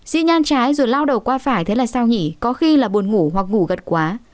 xi nhan trái rồi lao đầu qua phải thế là sao nhỉ có khi là buồn ngủ hoặc ngủ gật quá